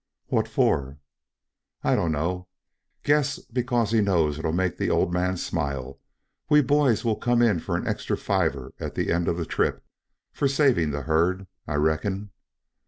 "What for?" "I dunno. Guess 'cause he knows it'll make the old man smile. We boys will come in for an extra fiver at the end of the trip, for saving the herd, I reckon."